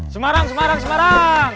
semarang semarang semarang